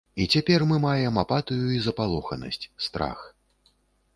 І цяпер мы маем апатыю і запалоханасць, страх.